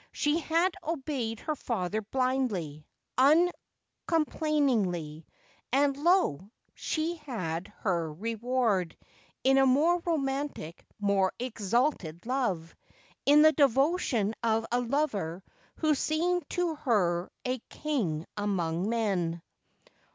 She had obeyed her father blindly, uncomplainingly ; and lo ! she had her re ward, in a more romantic, more exalted love, in the devotion of a lover who seemed to her a king among men.